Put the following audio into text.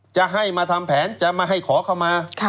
จะให้มาทำแผนจะมาให้ขอเข้ามา